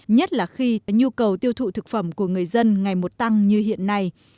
nhất là khi nhu cầu tiêu thụ thực phẩm của người dân ngày một tăng như hiện nay